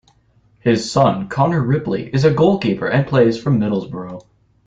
His son, Connor Ripley, is a goalkeeper and plays for Middlesbrough.